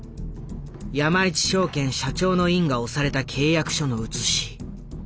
山一証券社長の印が押された契約書の写し。